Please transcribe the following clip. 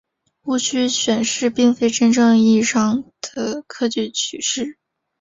戊戌选试并非真正意义的科举取士。